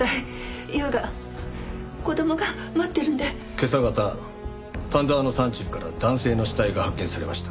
今朝方丹沢の山中から男性の死体が発見されました。